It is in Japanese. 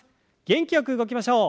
元気よく動きましょう。